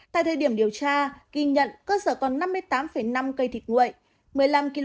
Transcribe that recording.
tại thời điểm điều tra ghi nhận cơ sở còn năm mươi tám năm cây thịt nguội